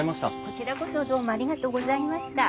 こちらこそどうもありがとうございました。